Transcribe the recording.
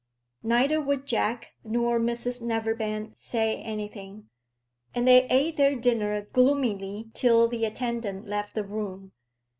Neither would Jack nor Mrs Neverbend say anything, and they ate their dinner gloomily till the attendant left the room.